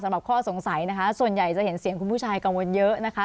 ข้อสงสัยนะคะส่วนใหญ่จะเห็นเสียงคุณผู้ชายกังวลเยอะนะคะ